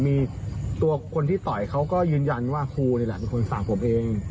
มีตัวคนที่ต่อยเขาก็ยืนยันว่าครูนี่แหละเป็นคนสั่งผมเอง